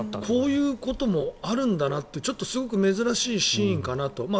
こういうこともあるんだなってちょっとすごく珍しいシーンだなと。